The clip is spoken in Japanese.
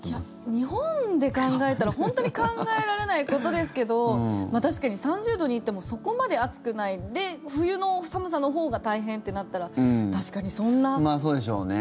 日本で考えたら本当に考えられないことですけど確かに３０度に行ってもそこまで暑くないで、冬の寒さのほうが大変ってなったらまあそうでしょうね。